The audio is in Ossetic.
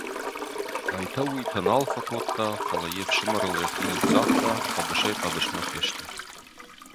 Айтӕ-уыйтӕ нал фӕкодта, фӕлӕ йе ʼфсымӕрыл йӕхи ныццавта, хъӕбысӕй-хъӕбысмӕ фесты.